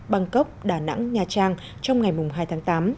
bangkok đà nẵng nha trang trong ngày hai tháng tám